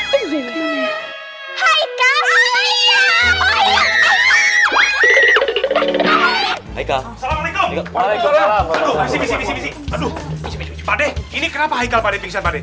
pak deh ini kenapa haikal pingsan pak deh